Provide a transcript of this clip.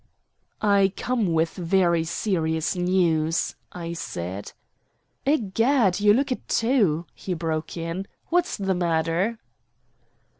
"I come with very serious news," I said. "Egad, you look it, too," he broke in. "What's the matter?"